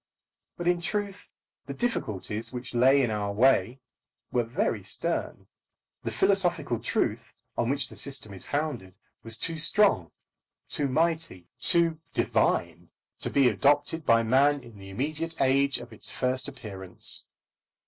But in truth, the difficulties which lay in our way were very stern. The philosophical truth on which the system is founded was too strong, too mighty, too divine, to be adopted by man in the immediate age of its first appearance.